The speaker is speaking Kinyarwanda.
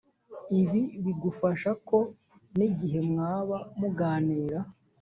ibi bigufasha ko n’igihe mwaba muganira